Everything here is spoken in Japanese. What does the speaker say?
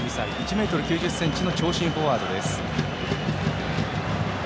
２２歳、１ｍ９０ｃｍの長身フォワード。